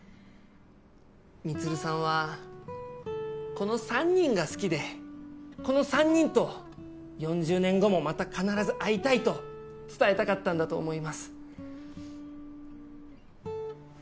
充さんはこの３人が好きでこの３人と４０年後もまた必ず会いたいと伝えたかったんだと思います。